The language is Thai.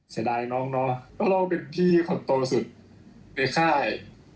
เสียดายน้องเนาะเพราะเราเป็นพี่คนโตสุดในค่าย